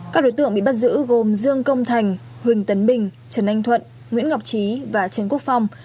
các đối tượng bị bắt giữ gồm dương công thành huỳnh tấn bình trần anh thuận nguyễn ngọc trí và trần quốc phong